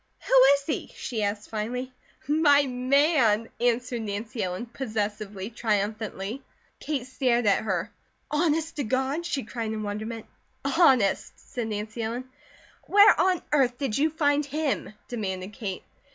"Who is he?" she asked finally. "My man!" answered Nancy Ellen, possessively, triumphantly. Kate stared at her. "Honest to God?" she cried in wonderment. "Honest!" said Nancy Ellen. "Where on earth did you find him?" demanded Kate.